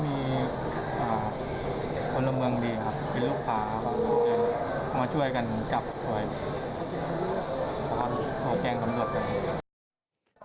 มาช่วยกันกลับไว้การกลับแกงสำรวจ